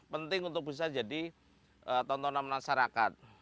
penting untuk bisa jadi tontonan masyarakat